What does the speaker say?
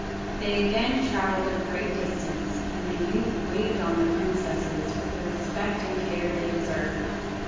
They again travelled a great distance, and the youth waited on the princesses with the respect and care they deserved.